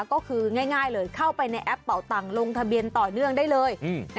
ก็คือง่ายเลยเข้าไปในแอปเป่าตังค์ลงทะเบียนต่อเนื่องได้เลย